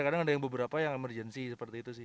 kadang ada yang beberapa yang emergency seperti itu sih